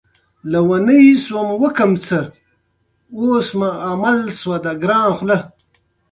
د هغه په لیک کې ډېر پیاوړی احساس و